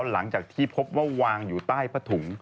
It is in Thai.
หลังจากที่พบว่าวางอยู่ใต้ผ้าถุง